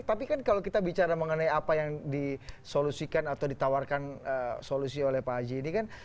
tapi kan kalau kita bicara mengenai apa yang disolusikan atau ditawarkan solusi oleh pak haji ini kan